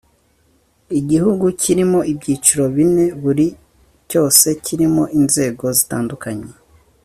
igihugu kirimo ibyiciro bine buri cyose kirimo inzego zitandukanye